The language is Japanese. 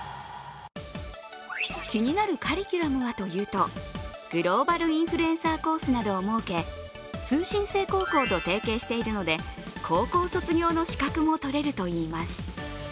気になるカリキュラムはというとグローバルインフルエンサーコースなどを設け通信制高校と提携しているので高校卒業の資格も取れるといいます。